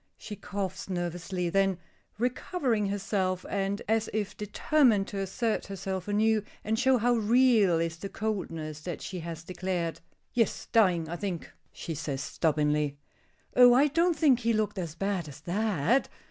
She coughs nervously; then, recovering herself, and as if determined to assert herself anew and show how real is the coldness that she has declared "Yes, dying, I think," she says, stubbornly. "Oh, I don't think he looked as bad as that!"